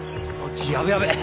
やべえやべえ！